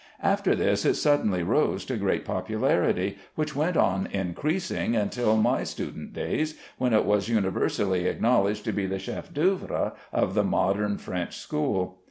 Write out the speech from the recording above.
After this it suddenly rose to great popularity, which went on increasing until my student days, when it was universally acknowledged to be the chef d'œuvre of the modern French school.